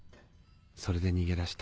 それで逃げ出した。